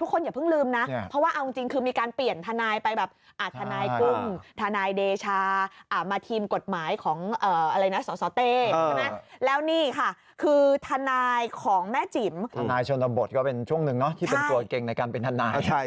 ธนายชนบทก็เป็นช่วงหนึ่งที่เป็นตัวเก่งในการเป็นธนาย